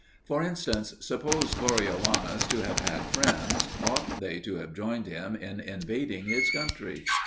For instance: suppose Coriolanus to have had friends, ought they to have joined him in invading his country?